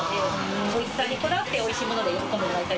おいしさにこだわってい靴い發里喜んでもらいたい。